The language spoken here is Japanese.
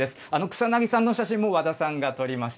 草なぎさんの写真も和田さんが撮りました。